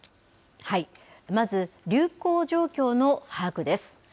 まず、流行状況の把握です。